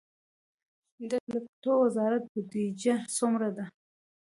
د ټولګټو وزارت بودیجه څومره ده؟